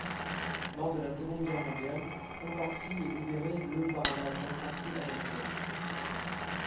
Lors de la Seconde Guerre mondiale, Pont-Farcy est libérée le par la d’infanterie américaine.